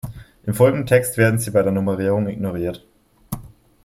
Im folgenden Text werden sie bei der Nummerierung ignoriert.